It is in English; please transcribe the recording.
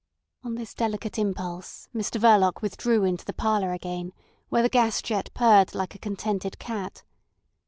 On this delicate impulse Mr Verloc withdrew into the parlour again, where the gas jet purred like a contented cat.